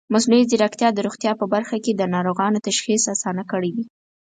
مصنوعي ځیرکتیا د روغتیا په برخه کې د ناروغانو تشخیص اسانه کړی دی.